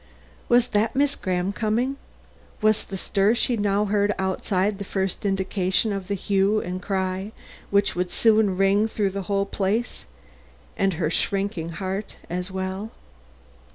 Was that Miss Graham coming? Was the stir she now heard outside, the first indication of the hue and cry which would soon ring through the whole place and her shrinking heart as well?